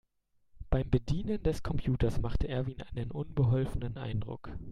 Beim Bedienen des Computers machte Erwin einen unbeholfenen Eindruck.